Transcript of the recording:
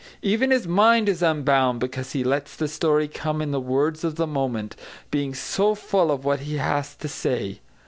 Even his mind is unbound, because he lets the story come in the words of the moment, being so full of what he has to say.